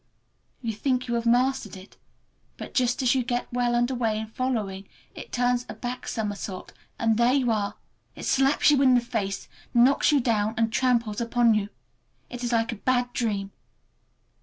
You think you have mastered it, but just as you get well under way in following, it turns a back somersault and there you are. It slaps you in the face, knocks you down, and tramples upon you. It is like a bad dream.